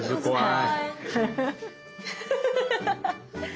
はい。